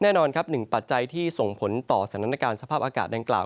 แน่นอนครับหนึ่งปัจจัยที่ส่งผลต่อสถานการณ์สภาพอากาศดังกล่าว